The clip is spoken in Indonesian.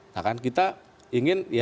nah kan kita ingin ya